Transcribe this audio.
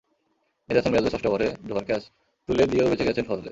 মেহেদী হাসান মিরাজের ষষ্ঠ ওভারে দুবার ক্যাচ তুলে দিয়েও বেঁচে গেছেন ফজলে।